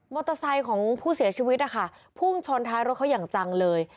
เตอร์ไซค์ของผู้เสียชีวิตนะคะพุ่งชนท้ายรถเขาอย่างจังเลย